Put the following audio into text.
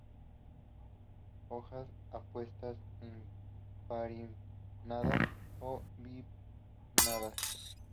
Hojas opuestas, imparipinnadas o bipinnadas.